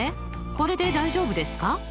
これで大丈夫ですか？